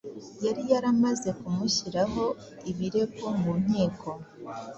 yari yaramaze kumushyiraho ibirego mu nkiko.